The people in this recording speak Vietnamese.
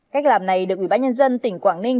cách làm này được ubnd tỉnh quảng ninh